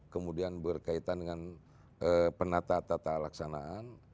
kemudian berkaitan dengan penata tata laksanaan